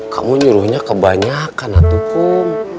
kamu nyuruhnya kebanyakan atukom